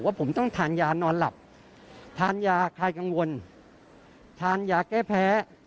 ผมต้องทานยานอนหลับทานยาคลายกังวลทานยาแก้แพ้